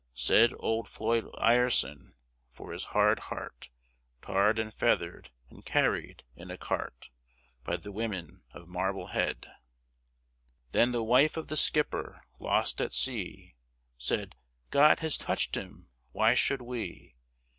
Said old Floyd Ireson, for his hard heart, Tarred and feathered and carried in a cart By the women of Marblehead! Then the wife of the skipper lost at sea Said, "God has touched him! why should we!"